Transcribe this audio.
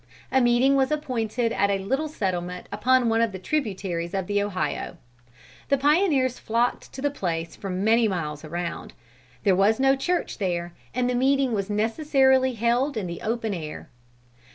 A meeting was appointed at a little settlement upon one of the tributaries of the Ohio. The pioneers flocked to the place from many miles around. There was no church there, and the meeting was necessarily held in the open air.